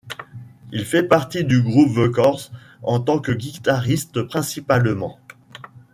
Il fait partie du groupe The Corrs en tant que guitariste principalement.